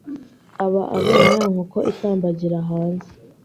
aba abonye ya nkoko itambagira hanze